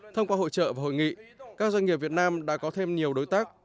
thông qua hội trợ và hội nghị các doanh nghiệp việt nam đã có thêm nhiều đối tác